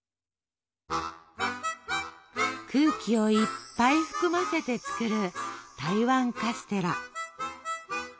空気をいっぱい含ませて作る台湾カステラ。